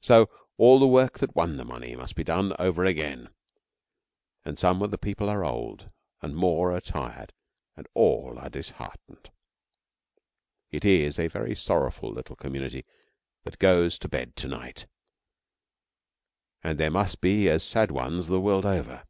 So all the work that won the money must be done over again; but some of the people are old, and more are tired, and all are disheartened. It is a very sorrowful little community that goes to bed to night, and there must be as sad ones the world over.